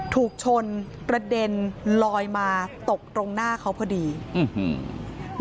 ถูกชนกระเด็นลอยมาตกตรงหน้าเขาพอดีอื้อหือ